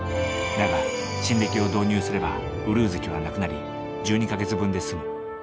だが新暦を導入すれば閏月はなくなり１２か月分で済む。